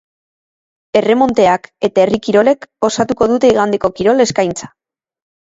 Erremonteak eta herri kirolek osatuko dute igandeko kirol eskaintza.